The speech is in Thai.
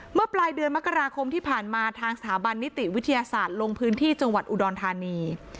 เมื่อปลายเดือนมกราคมที่ผ่านมาทางสถาบันนิติวิทยาศาสตร์ลงพื้นที่จังหวัดอุดรธานี